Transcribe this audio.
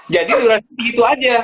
jadi durasi gitu aja